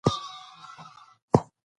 هلک بیا هم دروازه وهي.